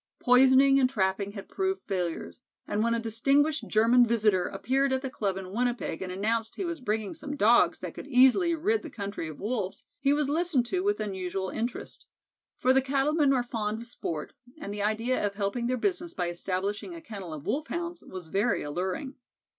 Poisoning and trapping had proved failures, and when a distinguished German visitor appeared at the Club in Winnipeg and announced that he was bringing some Dogs that could easily rid the country of Wolves, he was listened to with unusual interest. For the cattle men are fond of sport, and the idea of helping their business by establishing a kennel of Wolfhounds was very alluring.